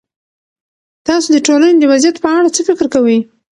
تاسو د ټولنې د وضعيت په اړه څه فکر کوئ؟